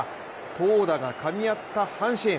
投打がかみ合った阪神。